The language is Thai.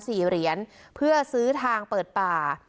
เหรียญเพื่อซื้อทางเปิดป่า